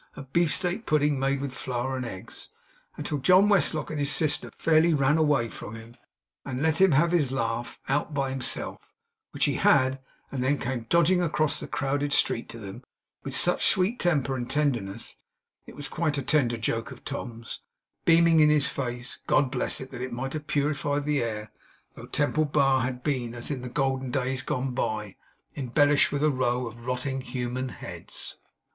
A beefsteak pudding made with flour and eggs!' until John Westlock and his sister fairly ran away from him, and left him to have his laugh out by himself; which he had, and then came dodging across the crowded street to them, with such sweet temper and tenderness (it was quite a tender joke of Tom's) beaming in his face, God bless it, that it might have purified the air, though Temple Bar had been, as in the golden days gone by, embellished with a row of rotting human heads.